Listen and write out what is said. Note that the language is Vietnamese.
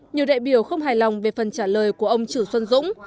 nhiều đại biểu không hài lòng về phần trả lời của ông chử xuân dũng